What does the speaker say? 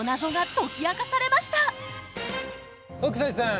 北斎さん